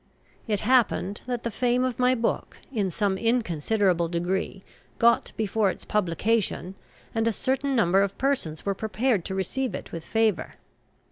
It happened that the fame of my book, in some inconsiderable degree, got before its publication, and a certain number of persons were prepared to receive it with favour.